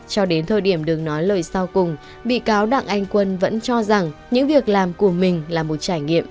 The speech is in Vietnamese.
cho đến thời điểm đường nói lời sau cùng bị cáo đặng anh quân vẫn cho rằng những việc làm của mình là một trải nghiệm